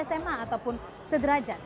perguruan tinggi ke atas